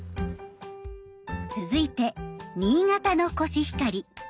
続いて新潟のコシヒカリ。